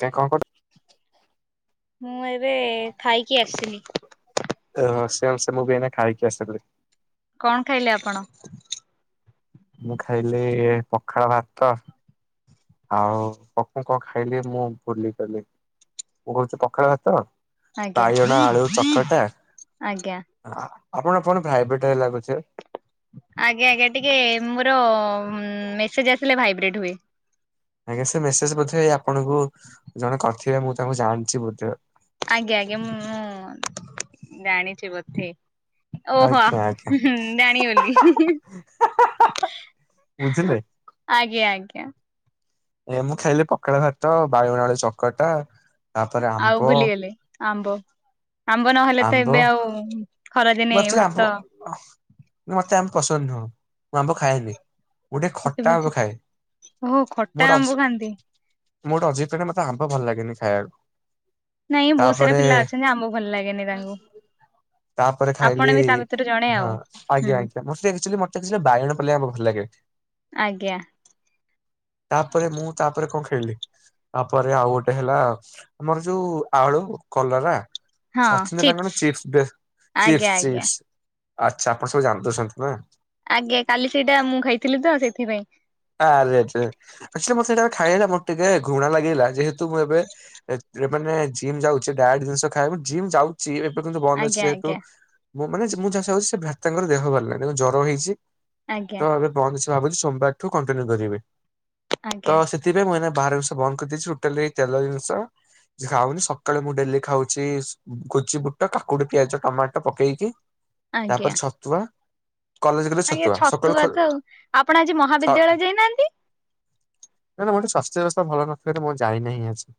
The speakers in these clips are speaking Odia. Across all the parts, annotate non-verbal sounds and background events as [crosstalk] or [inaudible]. କେ କଁ କଟ୍ ମୁଁ ଏବେ ଖାଇକି ଆସିଲି। ଅ ସେମ୍ ସେମ୍ ମୁ ବି ଏଇନା ଖାାଇକି ଆସିଲି। କଣ ଖାଇଲେ ଆପଣ? ମୁଁ ଖାଇଲି ପଖାଳ ଭାତ। ଆଉ ପକୁ କଁ ଖାଇଲି ମୁଁ ଭୁଲି ଗଲି, କୋହୁଚୁ ପଖାଳ ଭାତ ଆଜ୍ଞା ବାଇଗଣ ଆଳୁ ଚକଟା ଆଜ୍ଞା। ଆପଣ କଣ ଭ୍ରାଇବେଟ୍ ହେ ଲାଗୁଛି। ଆଜ୍ଞା ଆଜ୍ଞା ଟିକେ ମୋର ମେସେଜ୍ ଆସିଲେ ଭାଇବ୍ରେଟ୍ ହୁଏ। ଆଜ୍ଞା ସେ ମେସେଜ୍ ବୋଧେ ଆପଣଙ୍କୁ ଜଣେ କରିଥିବେ ମୁଁ ତାଙ୍କୁ ଜାଣିଛି ବୋଧେ। ଆଜ୍ଞା ଆଜ୍ଞା ମୁଁଁ ଜାଣିଛି ବୋଧେ। ଓହୋ ଆଜ୍ଞା ହଁ ଆଜ୍ଞା ହୁଁ ଜାଣିଗଲି। ବୁଝିଲେ। ଆଜ୍ଞା ଆଜ୍ଞା। ଏ ମୁଁ ଖାଇଲି ପଖାଳ ଭାତ ବାଇଗଣ ଆଳୁ ଚକଟା। ତାପରେ ଆମ୍ବ ଆଉ ଭୁଲିଗଲେ ଆମ୍ବ ଆମ୍ବ ନହେଲେ ତ ଏବେ ଆଉ ଖରାଦିନେ ମୋର ଚେ ଭାତ ଆମ୍ବ ଯେ ମତେ ଆମ୍ବ ପସନ୍ଦ ନୁହଁ ମୁଁ ଆମ୍ବ ଖାଏନି। ମୁଁ ଟିକେ ଖଟା ପକେଇମିତି। ଆଗ ଖାଏ ଓହୋ ଖଟା ମୋର ଆମ୍ବ ଅଛି ଖାଆନ୍ତି। ମୁଁ ଗୋଟ ଅଜିିବ୍ ପିଲା ମତେ ଆମ୍ବ ଭଲ ଲାଗନି ଖାଇବାକୁ। ନାଇଁ ବହୁତ ସାରା ତାପରେ ପିଲା ଅଛନ୍ତି ଆମ୍ବ ଭଲ ଲାଗେନି ତାଙ୍କୁ। ତାରେ ଆପଣ ଖାଇଲି ବି ତା ଭିତରୁ ଜଣେ ହଁ ଆଉ। ହୁଁ ଆଜ୍ଞା ଆଜ୍ଞା ମତେଟିକେ ବାଇଗଣ ପଲେଇ ଆମ୍ବ ଭଲ ଲାଗେ। ଆଜ୍ଞା। ତାପରେ ମୁଁ ତାପରେ କଅଁ ଖେଳିଲି? ତାପରେ ଆଉ ଗୋଟେ ହେଲା ଆମର ଯୋଉ ଆଳୁ କଲରା ସଚିନ୍ଦ୍ରା କଣନା ଚିପ୍ସ ବେଶ ଚିପ୍ସ ଆଜ୍ଞା ଆଜ୍ଞା। ଚିପ୍ସ ଆଛା ଆପଣ ସବୁ ଜାଣିୁଦଉଛନ୍ତି ପା। ଆଜ୍ଞା କାଲି ସେଇଟା ମୁଁ ଖାଇଥିଲି ତ ସେଇଥିପାଇଁ। ଆ ମ ସେଇଟା ଖାଇଲା ମୋର ଟିକେ ଘୁଣା ଲାଗେଇା ଯେହେତୁ ମୁଁ ଏବେ ମାନେ ଜିମ୍ ଯାଉଛି ଡାଟ୍ ଜିନିଷ ଖାଏ ଜିମ୍ ଯାଉଛି ଏବେ କିନ୍ତୁ ବନ୍ଦ ଅଛି ଆଜ୍ଞା ଯେହେତୁ ଆଜ୍ଞା ଉଁ ମାନେ ମୁଁ ଯାହା ଚାଉଁଛି ସେ ଭ୍ରାତାଙ୍କର ଦେହ ଭଲ ନାହିଁ ତାଙ୍କୁ ଜର ହେଇଛି ଆଜ୍ଞା ତ ଏ ସେ ଭାବୁଛି ସୋମବାରଠୁ କଣ୍ଟିନ୍ୟୁ କରିବେ ତ ଆଜ୍ଞା। ସେ ତେବେ ମୁଁ ଏଇନା ବାହାର ଜିନିଷ ବନ୍ଦ କରିଦେଇଛି ଟୋଟାଲି ତେଲ ଜିନିଷ ଖାଉନି ସକାଳେ ମୁଁ ଡେଲି ଖାଉଛି କୋଚି ବୁଟ କାକୁଡି ପିଆଜ ଟମାଟ ପକେଇକି ଆଜ୍ଞା ତାପରେ ଛତୁଆ କଲେଜ ଗଲେ ଆଜ୍ଞା ସକାଳୁ ଖ ଛତୁଆ ତ ଆଉ ଆପଣ ଆଜି ଛ ମହାବିଦ୍ୟାଳୟ ଯାଇନାହାନ୍ତି? ନାଁ ନାଁ ଶୋର ସ୍ୱାସ୍ଥ୍ୟ ବ୍ୟବସ୍ଥା ଭଲ ନଥିବାରୁ ମୁଁ ଯାଇନାହିଁ ଆଜି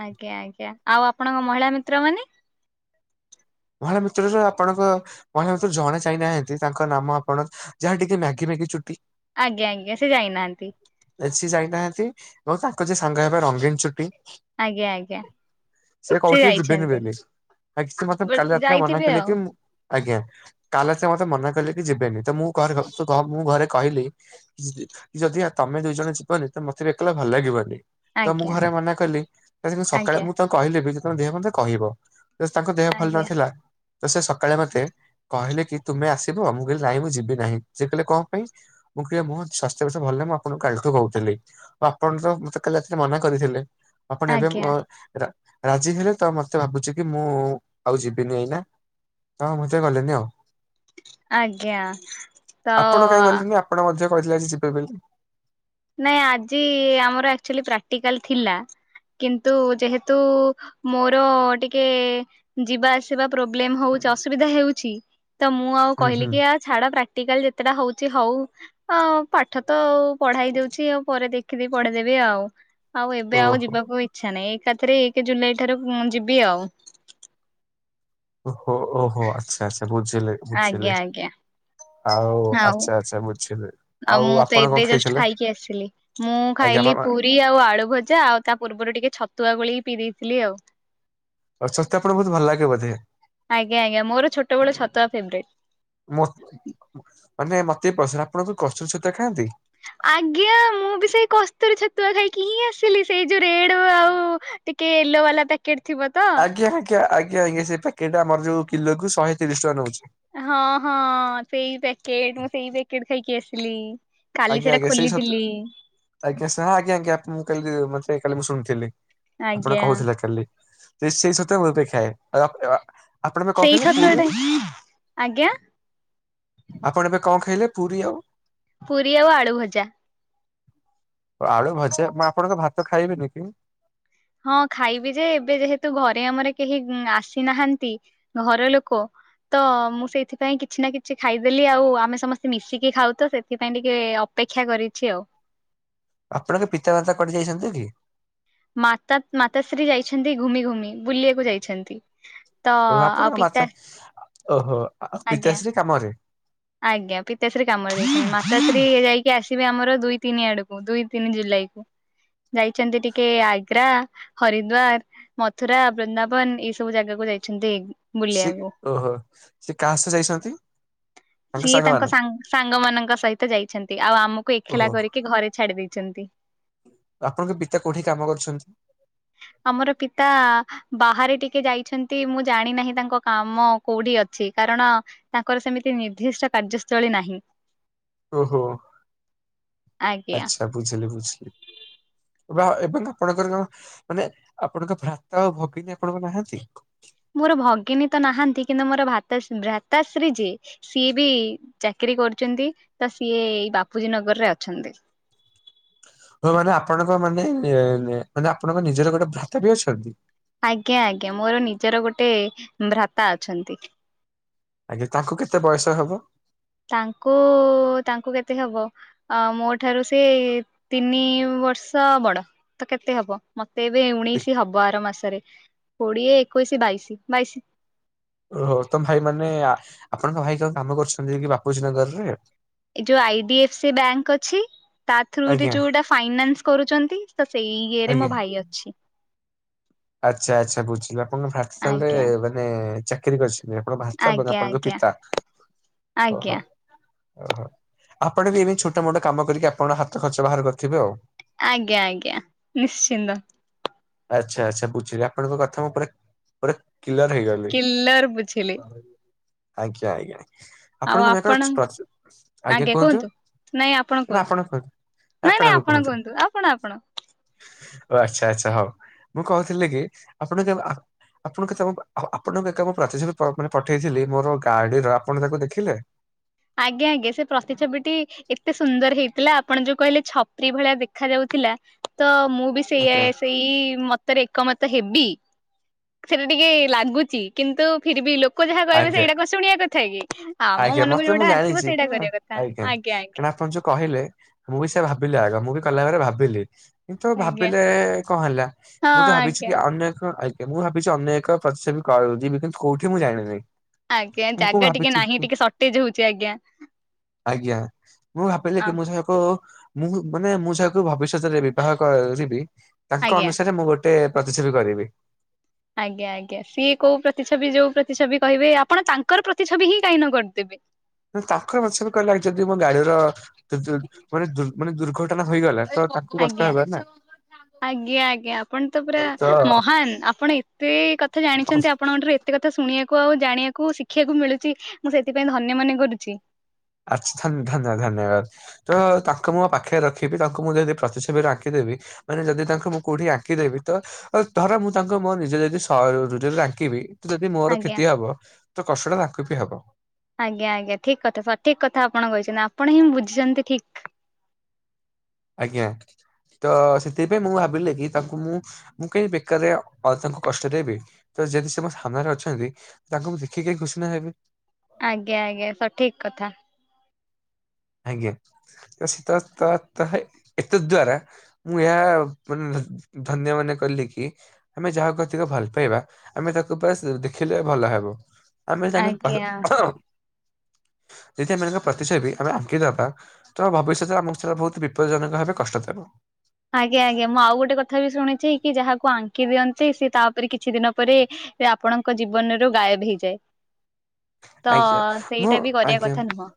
ଆଜ୍ଞା ଆଜ୍ଞା ଆଉ ଆପଣଙ୍କ ମହିଳା ମିତ୍ର ମାନେ? ମହିଳା ମିତ୍ର ଆପଣଙ୍କ ମହିଳା ମିତ୍ର ଜଣେ ଯାହିନାହାନ୍ତି ତାଙ୍କ ନାମ ଆପଣ ଯାହା ଟିକେ ମ୍ୟାଗି ମ୍ୟାଗି ଚୁଟି। ଆଜ୍ଞା ଆଜ୍ଞା ସେ ଯାଇନାହାନ୍ତି। ଏ ସେ ଯାଇନାହାନ୍ତି ଏବଂ ତାଙ୍କ ଯେ ସାଙ୍ଗ ହେବେ ରଙ୍ଗୀନ ଚୁଟି ଆଜ୍ଞା ଆଜ୍ଞା ସେ କହୁଥିଲେ ଯିବେନି ବୋଲି ଆ କିଛି ମତେ କାଲି ରାତି୍ରା ମନା ଯାଇଥିବେ କଲେ ଆଉ କି ଆଜ୍ଞା କାଲି ସେ ମତେ ମନା କଲେେ କି ଯିବେନି ତ ମୁଁରେ ମୁଁ ଘରେ କହିଲି ଯଦି ତମେ ଦିଇ ଜଣ ଯିବନି ତ ମୋତେ ବି ଏକଲା ଭଲ ଲାଗିବନି। ତ ମୁଁ ଆଜ୍ଞା ଘରେ ମନା କଲିୁ ସକାଳେ ଆଜ୍ଞା ମୁଁ ତ କହିଲି ବି ଯେ ତମ ଦେହ ଭଲ ନାହିଁ ମତେ କହିବ। ତାଙ୍କ ଦେହ ଭଲ ଆଜ୍ଞା ନଥିଲା ତ ସେ ସକାଳେ ମତେ କହିଲେ କି ତୁମେ ଆସିବ ମୁଁ କହିଲି ନାଇଁ ମୁଁ ଯିବି ନାହିଁ ସେ କହିଲେ କଣ ପାଇଁ। ମୁଁ କିଏ ମୁଁ ସ୍ୱାସ୍ଥ୍ୟବଷ ଭଲାନାହିଁମୁଁ ଆପଣଙ୍କ କାଲିଠୁ କହୁି ଆ ଆପଣ ତ ମତେ କାଲି ଏଥିରେ ମନା କରିଥିଲେ। ଆପଣ ଏବେ ଆଜ୍ଞା। ରାଜି ହେଲେ ତ ମତେ ଭାବୁଛି କି ମୁଁ ଆଉ ଯିବିନି ଏଇନା ହଁ ମତ ଗଲେନି ଆଉ। ଆଜ୍ଞା ତ ଆପଣ କାହିଁ ଗଲେନି ଆପଣ ମଧ୍ୟ କହିଥିଲେ ଆ ଯିବେ ବୋଲି। ନାଇଁ ଆଜି ଆମର ଆଚୁଲି ପ୍ରାକ୍ଟିକାଲ ଥିଲା କିନ୍ତୁ ଯେହେତୁ ମୋର ଟିକେ ଯିବା ଆସିବା ପ୍ରୋବ୍ଲେମ ହଉଛି ଅସୁବିଧା ହେଉଛି ତ ମୁଁ ଆଉ ହୁଁ କହିଲି ହୁଁ କି ଆ ଛାଡ ପ୍ରାକ୍ଟିକାଲ ଯେତେଟା ହଉଛି ହଉ ପାଠ ତ ଆଉ ପଢା ହେଇଯାଉଛି। ଛି ଆଉ ପରେ ଦେଖିଦି ପଢେଇଦେବି ଆଉ ଆଉ ଏବେ ଆଉ ଓହୋ। ଯିବାକୁ ଇ ଇଚ୍ଛା ନାଇଁ ଏକାଥରେ ଏକ ଜୁଲାଇ ଠାରୁ ଯିବି ଆଉ। ଓ ହୋ ଓ ହୋ ଆଚ୍ଛା ଆଚ୍ଛା ବୁଝିଲି ବୁଝିଲି। ଆଜ୍ଞା ଆଜ୍ଞା ଆଉ ଆଚ୍ଛା ଆଚ୍ଛା ବୁଝିଲି ଆଉ ମୁଁ ତ ଆପଣ ଏବେ କଣ ଜଷ୍ଟ ଖାଇସାରିଲେଣି। ଖାଇକି ଆସିଲି। ମୁଁ ଖାଇଲି ପୁରୀ ଆଉ ଆଳୁ ଭଜା ଆଉ ତା ପୂର୍ବରୁ ଟିକେ ଛତୁଆ ଗୋଳିକି ପିଇ ଦେଇଥିଲି ଆଉ। ଅଚସ୍ଵସ୍ଥ ଆପଣଙ୍କୁ ବହୁତ ଭଲ ଲାଗେ ବୋଧେ। ଆଜ୍ଞା, ଆଜ୍ଞା ମୋର ଛୋଟବେଳୁ ଛତୁଆ ଫେବରଏଟ। ମୋ ମାନେ ମତେ ପସ ଆପଣ କସ୍ତୁରୀ ଛତୁଆ ଖାଆନ୍ତି। ଆଜ୍ଞା ମୁଁ ବି ସେଇ କସ୍ତୁରୀ ଛତୁଆ ଖାଇକି ହିଁ ଆସିଲି ସେଇ ଯୋଉ ରେଡ ଆଉ ଟିକେ ୟେଲୋ ବାଲା ପାକ୍ ଟିକେ ଥିବ ତ। ଆଜ୍ଞା, ଆଜ୍ଞ, ଆଜ୍ଞା, ଆଜ୍ଞା ସେ ପାକେଟ ଆମର ଜୋଉ କିଲୋ କୁ ଶହେ ତିରିଶ ଟଙ୍କା ନଉଛି। ହଁ ହଁ ସେଇ ପ୍ୟାକେଟ ମୁଁ ସେଇ ପ୍ୟାକେଟ ଖାଇକି ଆସିଲି। କାଲି ଆଜ୍ଞା ସେଟା ଆଜ୍ଞା ସେଇ ଛତୁ ଖୋଲିଥିଲି। ଆଜ୍ଞା ହଁ ଆଜ୍ଞା ଆଜ୍ଞା ମୁଁ ଥିଲି ମୁଁ କାଲି ମୁଁ ଶୁଣିଥିଲି। ଆପଣ ଆଜ୍ଞା କହୁଥିଲେ କାଲି [unintelligible] ସେଇ ଛତୁଆ ମୁଁ ବି ଖାଏ [unintelligible] ଆପଣ ଏବେ କଣ ସେଇ ଖାଇଲେ ଛତୁଆଟା ପୁରି ଆଜ୍ଞା ଆପଣ ଏବେ କଣ ଖାଇଲେ ପୁରି ଆଉ ପୁରି ଆଉ ଆଳୁ ଭଜା। ଆଳୁ ଭଜା ମୁଁ ଆପଣଙ୍କ ଭାତ ଖାଇବିନି କି? ହଁ ଖାଇବି ଯେ ଏବେ ଯେହେତୁ ଘରେ ଆମର କେହି ଆସିନାହାନ୍ତି ଘର ଲୋକ ତ ମୁଁ ସେଇଥିପାଇଁ କିଛି ନା କିଛି ଖାଇଦେଲି ଆଉ ଆମେ ସମସ୍ତେ ମିଶିକି ଖାଉ ତ ସେଥିପାଇଁ ଟିକେ ଅ ଅପେକ୍ଷା କରିଛି ଆଉ। ଆପଣଙ୍କ ପିତାମାତା କୁଆଡେ ଯାଇଛନ୍ତି କି? ମାତା ମାତାଶ୍ରୀ ଯାଇଛନ୍ତି ଘୁମି ଘୁମି ବୁଲିବାକୁ ଯାଇଛନ୍ତି। ତ ଓହ ଆଉ ଆପଣଙ୍କ ପିତା ମାତା ଓହୋ ଆଉ ଆଜ୍ଞା। ପିତାଶ୍ରୀ କାମରେ। ଆଜ୍ଞା ପିତାଶ୍ରୀ କାମରେ ଯାଇଛନ୍ତିି ମାତାଶ୍ରୀ ଯାଇକି ଆସିବେ ଆମର ଦୁଇ ତିନି ଆଡକୁ ଦୁଇ ତିନି ଜୁଲାଇ କୁ। ଯାଇଚନ୍ତି ଟିକେ ଆଗ୍ରା ହରିଦ୍ଵାର, ମଥୁରା, ବୃନ୍ଦାବନ ଏଇ ସବୁ ଜାଗାକୁ ଯାଇଛନ୍ତି ଏ ସିଏ କେ ଓହୋ ସେ କାହା ସହ ଯାଇଛନ୍ତି? ସିଏ ତାଙ୍କ ସାଙ୍ଗ୍ ସାଙ୍ଗମାନଙ୍କ ସହିତ ଯାଇଛନ୍ତି ଆଉ ଆମକୁ ଏକେଲା ଓହୋ କରିକି ଘରେ ଛାଡି ଦେଇଛନ୍ତି। ଆପଣଙ୍କ ପିତା କଉଠି କାମ କରୁଛନ୍ତି? ଆମର ପିତା ବାହାରେ ଟିକେ ଯାଇଛନ୍ତି ମୁଁ ଜାଣି ନାହିଁ ତାଙ୍କ କାମ କଉଠି ଅଛି କାରଣ ତାଙ୍କର ସେମିତି ନିର୍ଦ୍ଦିଷ୍ଟ କାର୍ଯ୍ୟସ୍ଥଳୀ ନାହିଁ। ଓହୋ ଆଜ୍ଞା ଆଚ୍ଛା ବୁଝିଲି ବୁଝଲି। ବା ଏବଂ ଆପଣଙ୍କର କଣ ମାନେ ଆପଣଙ୍କ ଭ୍ରାତା ଆଉ ଭଗିନୀ ଆପଣଙ୍କର ନାହାନ୍ତି? ମୋର ଭଗିନୀ ତ ନାହାନ୍ତି କିନ୍ତୁ ମୋର ଭାତଶ୍- ଭ୍ରାତାଶ୍ରୀ ଯିଏ ସିଏ ବି ଚାକିରୀ କରୁଚନ୍ତି ତ ସିଏ ଏଇ ବାପୁଜୀ ନଗରରେ ଅଛନ୍ତି। ଓ ହଁ ମାନେ ଆପଣଙ୍କ ମାନେ ମାନେ ଆପଣଙ୍କ ନିଜର ଗୋଟେ ଭ୍ରାତା ବି ଅଛନ୍ତି? ଆଜ୍ଞା ଆଜ୍ଞା ମୋର ନିଜର ଗୋଟେ ଭ୍ରାତା ଅଛନ୍ତି। ଆଜ୍ଞା ତାଙ୍କୁ କେତେ ବୟସ ହବ? ତାଙ୍କୁ ତାଙ୍କୁ କେତେ ହବ ଅ ମୋ ଠାରୁ ସେ ତିନି ବର୍ଷ ବଡ ତ କେତେ ହବ? ମତେ ଏବେ ଉଣେଇଶି ହବ ଆର ମାସରେ କୋଡିଏ, ଏକୋଇଶି, ବାଇଶି -ବାଇଶି। ଓହୋ ତମ ଭାଇ ମାନେ ଆ ଆପଣଙ୍କ ଭାଇ କଣ କାମ କରୁଚନ୍ତି ଯାଇକି ବାପୁଜୀ ନଗରରେ? ଏ ଯୋଉ I D F C bank ଅଛି। ତା ଥ୍ରୁ ରେ ଆଜ୍ଞା ଯୋଉଟା ଫାଇନାନ୍ସ କରୁଚନ୍ତି। ତ ସେଇ ଇଏ ରେ ମୋ ଆଜ୍ଞା। ଭାଇ ଅଛି। ଆଚ୍ଛା ଆଚ୍ଛା ବୁଝିଲୁ ଆପଣଙ୍କ ଭାକସାଲେ ଆଜ୍ଞା। ମାନେ ଚାକିରି କରି ଆପଣ ଭାଷା ମାନେ ଆଜ୍ଞା ଆପଣଙ୍କ ଆଜ୍ଞା ପିତା ଆଜ୍ଞା ଓହୋ। ଓହୋ ଆପଣ ବି ଏମିତି ଛୋଟ ମୋଟ କାମ କରିକି ଆପଣଙ୍କ ହାତ ଖର୍ଚ୍ଚ ବାହାର କରଥିବେ ଆଉ? ଆଜ୍ଞା ଆଜ୍ଞା ନିଶ୍ଚିନ୍ଦ। ଆଚ୍ଛା ଆଚ୍ଛା ବୁଝିଲି ଆପଣଙ୍କ କଥା ମୁଁ ପୁରା- ପୁରା କ୍ଲିୟର ହେଇଗ ଲି। କିଲର ବୁଝିଲି ଆଜ୍ଞା ଆଜ୍ଞା। ଆଉ ଆପଣଙ୍କ ମେ ଅ ଆପଣ ପ୍ରଚୁ। ଆଜ୍ଞା କୁହନ୍ତୁ? ନା ଆପଣ କୁହନ୍ତୁ? ନାଇଁ- ନାଇଁ ଆପଣ କୁହନ୍ତୁ ଆପଣ -ଆପଣ? ଓ ଆଚ୍ଛା ଆଚ୍ଛା ହଉ ମୁଁ କହୁଥିଲି କି ଆପଣ କେବେ ଆ ଆପଣ କେତେ ଆଉ ଆପଣଙ୍କୁ ଏକା ମୁଁ ପ୍ରାଚୀଯ୍ୟ ପେ ଫ୍ର ମାନେ ପଠେଇଥିଲି ମୋର ଗାଡିର ଆପଣ ତାକୁ ଦେଖିଲେ? ଆଜ୍ଞା ଆଜ୍ଞା ସେ ପ୍ରତିଛବିଟି ଏତେ ସୁନ୍ଦର୍ ହେଇଥିଲା ଆପଣ ଯୋଉ କହିଲେ ଛପ୍ରି ଭଳିଆ ଦେଖା ଯାଉଥିଲା। ତ ମୁଁ ବି ସେୟା ଆଜ୍ଞା ସେଇ ମତ ତ ରେ ଏକମତ ହେବି। ସେଟା ଟିକେ ଲାଗୁଚି। କିନ୍ତୁ ଫିର୍ ବି ଲୋକ୍ କ ଯାହା କହିବେ ଆଜ୍ଞା ସେଇଟା କଣ ଶୁଣିବା କଥା କି? ଆମ ଆଜ୍ଞା ମନ କୁ ମତେ ଯୋଉଟ- ମୁଁ ଜାଣିଚି ହେଲା। ଆଜ୍ଞା କାରଣ ଆପଣ ଯୋଉ କହିଲେ ମୁଁ ବି ସେୟା ଭାବିଲି ଆଗ ମୁଁ ବି କଲା ଏଳେ ଭାବିଲି। କିନ୍ତୁ ଆଜ୍ଞା ଭାବିଲେ କଣ ହେଲା। ହଁ ମୁଁ ତ ଭାବିଚି ଆଜ୍ଞା କି ଅନ୍ୟ ଏକ ଆଇ ମୁଁ ଭାବିଚି ଅନ୍ୟ ଏକ ପ୍ରତିଛବି କଉ ଯିବି। କିନ୍ତୁ କୋଉଠି ମୁଁ ଜାଣିନେଇଁ। ଆଜ୍ଞା ଜାଗା ଟିକେ ନାହିଁ ଚିକି ଟିକେ ସର୍ଟେଜ ହଉଛି ଆଜ୍ଞା ଆଜ୍ଞା ମୁଁ ଭାବିଲି ମୋ ସଙ୍ଗ ପୁ ମୁଁ ମାନେ ମୁଁ ଯାହାକୁ ଭବିଷ୍ୟତରେ ବିବାହ କରିବି। ତାଙ୍କ ଆଜ୍ଞା ଅନୁସାରେ ମୁଁ ଗୋଟ ଟେ ପ୍ରତିଛବି କରିବି। ଆଜ୍ଞା ଆଜ୍ଞା ସିଏ କୋଉ ପ୍ରତିଛବି ଯୋଉ ପ୍ରତିଛବି କହିବେ ଆପଣ ତାଙ୍କର ପ୍ରତିଛବି ହିଁ କାଇନ କରଦେବେ। ମୁଁ କଇଲି ତାଙ୍କ ପ୍ରତି ଛବି କଇଲ ଯଦି ମୋ ଗାଡିର ଦୁ ଦୂର ମାନେ ଦୁର ମାନେ ଦୁର୍ଘଟଣା ହେଇଗଲା ତ ତାଙ୍କୁ କଷ୍ଟ ହେବ ନା। ହ ଆଜ୍ଞା ଆଜ୍ଞା ଆପଣ ତ ପୁରା ମହାନ। ଆପଣ ଏତେ କଥା ଜାଣିଛନ୍ତି। ଆପଣଙ୍କଠାରୁ ଏତ ଏତେ କଥା ଶୁଣିଆକୁ, ଜାଣିବାକୁ, ଶିଖିଆକୁ ମିଳୁଚି ମୁଁ ସେଇଥିପାଇଁ ଧନ୍ୟ ମନେ କରୁଛି। ଆଚ୍ଛା ଥା ଥା ଧା ଧା ଧନ୍ୟବାଦ। ତ ତାଙ୍କୁ ମୁଁ ମୋ ପାଖରେ ରଖିବି। ତାଙ୍କୁ ମୁଁ ଯଦି ପ୍ରତିଛବିରେ ଆଙ୍କିଦେବି। ମାନେ ଯଦି ତାଙ୍କୁ ମୁଁ କୋଉଠି ଆଙ୍କିଦେବି ତ। ଆଉ ଧର ମୁଁ ତାଙ୍କୁ ମୋ ନିଜେ ଯଦି ସାଇରୁ ଆଙ୍କିବି। ଯଦି ମୋର ଆଜ୍ଞା କ୍ଷତି ହବ। ତ କଷ୍ଟଟା ତାଙ୍କୁ ବି ହବ। ଆଜ୍ଞା ଆଜ୍ଞା ଠିକ କଥା ସଠିକ କଥା ଆପଣ କହିଚନ୍ତି। ଆପଣ ହିଁଁ ବୁଝିଛନ୍ତି ଠିକ। ଆଜ୍ଞା ତ ସେଥିପାଇଁ ମୁଁ ଭାବିଲି କି ତାଙ୍କୁ ମୁଁ ମୁଁ କାଇଁ ବେକାରରେ ଅଧକୁ କଷ୍ଟଦେବି। ତ ଯଦି ସେ ମୋ ସାମ୍ନାରେ ଅଛନ୍ତି ତାଙ୍କୁ ମୁ ଦେଖିକି ଖୁସି ନା ହେବି। ଆଜ୍ଞା ଆଜ୍ଞା ସଠିକ କଥା। ଆଜ୍ଞା ଶୀତ ତଅ ତଅ ତଅ ଏତଦ୍ଵାରା ମୁଁ ଏହା ମାନ ଧନ୍ୟ ମନେ କଲି କି ଆମେ ଯାହାକୁ ଅତିକ ଭଲ ପାଇବା ଆମେ ତାକୁ ପାସ ଦେଖିଲେ ଭଲ ହବ। ଆମେ ତାଙ୍କ ଆଜ୍ଞା [unintelligible] ପ୍ରତିଛବି। ଆମେ ଆଙ୍କି ଦବା ତ, ଭବିଷ୍ୟତରେ ଆମକୁ ସେଟା ବହୁତ ବିପଦଜନକ ଭାବେ କଷ୍ଟ ଦେବ। ଆଜ୍ଞା, ଆଜ୍ଞା, ମୁଁ ଆଉ ଗୋଟେ କଥା ବି ଶୁଣିଛି, କି ଯାହାକୁ ଆଙ୍କି ଦିଅନ୍ତି, ସେ ତାପରେ କିଛି ଦିନ ପରେ ସେ ଆପଣଙ୍କ ଜୀବନରୁ ଗାୟବ ହେଇଯାଏ। ତ, ଆଜ୍ଞା ମୁଁ ସେଇଟା ବି କରିବା ଆଜ୍ଞା କଥା ନୁହଁ।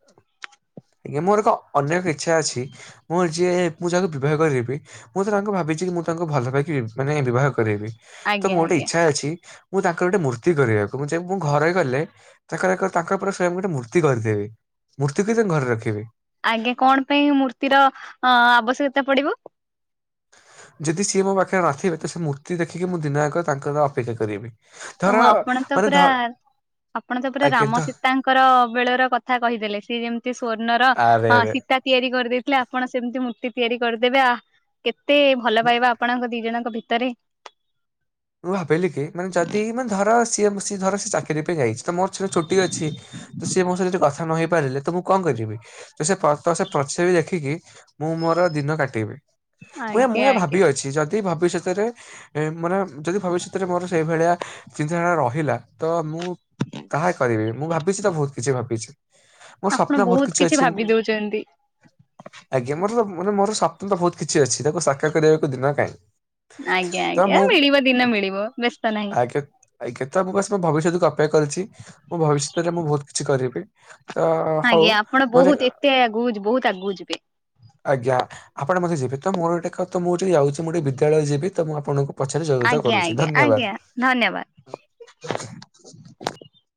ଆଜ୍ଞା, ମୋର ଏକ ଅନେକ ଇଚ୍ଛା ଅଛି, ମୁଁ ଯିଏ ମୁଁ ଯାହାକୁ ବିବାହ କରିବି ମୁଁ ତ ତାଙ୍କୁ ଭାବିଛି, କି ମୁଁ ତାଙ୍କୁ ଭଲ ପାଇକି ବି ମାନେ ବିବାହ କରେଇବି, ତ ଆଜ୍ଞା ମୋର ଗୋଟେ ଆଜ୍ଞା ଇଚ୍ଛା ଅଛି ମୁଁ ତାଙ୍କର ଗୋଟେ ମୂର୍ତ୍ତି କରିବାକୁ, ମୁଁ ଯେ ମୁଁ ଘରେ ଗଲେ ତାଙ୍କ ତାଙ୍କର ତାଙ୍କ ପୁରା ସେମ୍ ଗୋଟେ ମୂର୍ତ୍ତି କରିଦେବି। ମୂର୍ତ୍ତିକୁ ତାଙ୍କ ଘରେ ରଖିବି। ଆଜ୍ଞା, କଣ ପାଇଁ ମୂର୍ତ୍ତି ର ଅ ଆବଶ୍ୟକତା ପଡିବ? ଯଦି ସିଏ ମୋ ପାଖରେ ନଥିବେ, ତ ସେ ମୂର୍ତ୍ତି ଦେଖିକି ମୁଁ ଦିନ ଯାକ ତାଙ୍କର ଅପେକ୍ଷା କରିବି। ଧର ଓହୋ, ଆପଣ ତ ମାନେ ଧ ପୁରା ଆପଣ ତ ପୁରା ଆଜ୍ଞା ରାମ ତ ସୀତାଙ୍କର ବେଳର କଥା କହିଦେଲେ। ସିଏ ଯେମିତି ସ୍ଵର୍ଣ୍ଣର ଆରେ, ହଁ ରେ। ସୀତା ତିଆରି କରିଦେଇଥିଲେ, ଆପଣ ସେମିତି ମୂର୍ତ୍ତି ତିଆରି କରିଦେବେ ଆ। କେତେ ଭଲ ପାଇବା, ଆପଣଙ୍କ ଦି ଜଣଙ୍କ ଭିତରେ। ମୁଁ ଭାବିଲି କି, ମାନେ ଯଦି ମାନେ ଧର, ସିଏ ସିଏ ଧର ସେ ଚାକିରି ପାଇଁ ଯାଇଛି ତ, ମୋର ଛୁ-ଛୁଟି ଅଛି ତ ସିଏ ମୋ ସହିତ ଯୋ କଥା ନହେଇ ପାରିଲେ, ତ ମୁଁ କଣ କରିବି? ତ ସେ ଫଟ, ସେ ପ୍ରତିଛବ ଦେଖିକି ମୁଁ ମୋର ଦିନ କାଟିବି। ମୁଁ ଏ ମୁଁ ଆଜ୍ଞା ଏ ଆଜ୍ଞା ଭାବିକି ଅଛି, ଯଦି ଭାବିଷ୍ୟତରେ ମାନେ ଯଦି ଭବିଷ୍ୟତରେ ମୋର ସେଇ ଭଳିଆ ଚିନ୍ତାଧାରା ରହିଲା, ତ ମୁଁ ତାହା କରିବି। ମୁଁ ଭାବିଛି ତ ବହୁତ କିଛି ଭାବିଛି, ମୋର ଆପଣ ସ୍ୱପ୍ନ ବହୁତ କିଛି ଅଛି। ଭାବି ଦଉଛନ୍ତି। ଆଜ୍ଞା, ମୋର ତ, ମୋ ମୋର ସ୍ୱପ୍ନ ତ ବହୁତ କିଛି ଅଛି, ତାକୁ ସାକାର କରିବାକୁ ଦିନ କାହିଁ। ଆଜ୍ଞା, ତ ଆଜ୍ଞା, ମୁଁ ମିଳିବ, ଦିନ ମିଳିବ, ବ୍ୟସ୍ତ ନାହିଁ। ଆଜ୍ଞା, ଆଜ୍ଞା, ତ ମୁଁ ବସ୍‌ ମୋ ଭବିଷ୍ୟତକୁ ଅପେକ୍ଷା କରିଛି। ମୋ ଭବିଷ୍ୟତରେ ମୁଁ ବହୁତ କିଛି କରିବି। ତ, ହଉ ଆଜ୍ଞା ଆପଣ ବହୁତ [unintelligible] ଏତେ ଆଗକୁ ଯିବ, ବହୁତ ଆଗକୁ ଯିବେ। ଆଜ୍ଞା, ଆପଣ ମତେ ଯିବେ ତ। ମୋର ଗୋଟେ କଥା, ମୁଁ ଯଦି ଯାଉଛି, ମୁଁ ଗୋଟେ ବିଦ୍ୟାଳୟ ଯିବି, ତ ମୁଁ ଆପଣଙ୍କୁ ପଛରେ ଯୋଗାଯୋଗ ଆଜ୍ଞା କରୁଛି, ଆଜ୍ଞା ଆଜ୍ଞା ଧନ୍ୟବାଦ।